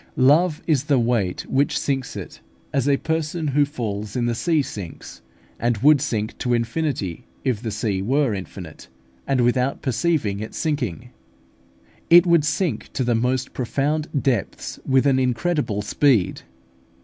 Love is the weight which sinks it, as a person who falls in the sea sinks, and would sink to infinity if the sea were infinite; and without perceiving its sinking, it would sink to the most profound depths with an incredible speed.